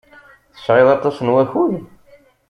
Tesɛiḍ aṭas n wakud?